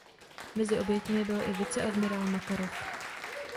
Mezi oběťmi byl i viceadmirál Makarov.